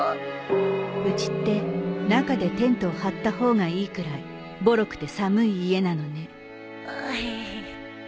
うちって中でテントを張った方がいいくらいぼろくて寒い家なのね。